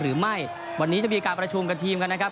หรือไม่วันนี้จะมีการประชุมกับทีมกันนะครับ